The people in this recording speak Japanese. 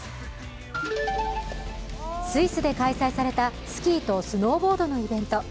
スイスで開催されたスキーとスノーボードのイベント。